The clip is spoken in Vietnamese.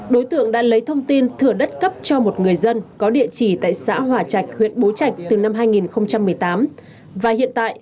đối tượng đã lấy thông tin thửa đất cấp cho một người dân có địa chỉ tại xã hỏa trạch huyện bố trạch từ năm hai nghìn một mươi tám